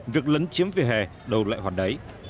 việc lấn chiếm về hè đầu lại hoạt đáy